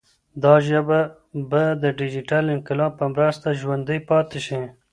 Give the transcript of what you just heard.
دا ژبه به د ډیجیټل انقلاب په مرسته ژوندۍ پاتې شي.